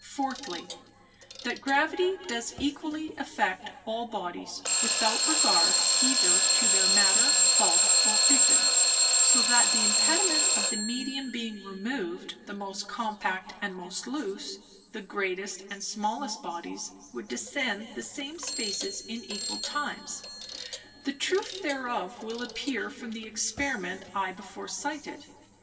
Fourthly, That Gravity does equally affect all Bodies, without regard either to their Matter, Bulk, or Figure; so that the Impediment of the Medium being removed, the most compact and most loose, the greatest and smallest Bodies would descend the same Spaces in equal Times; the Truth thereof will appear from the Experiment I before cited.